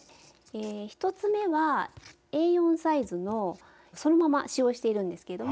１つ目はＡ４サイズのをそのまま使用してるんですけども。